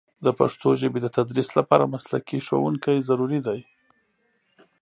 د پښتو ژبې د تدریس لپاره مسلکي ښوونکي ضروري دي.